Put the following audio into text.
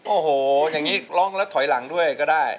โอ้โหอย่างนี้ร้องแล้วถอยหลังด้วยก็ได้